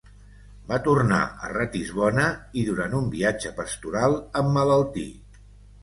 Va tornar a Ratisbona i, durant un viatge pastoral emmalaltí.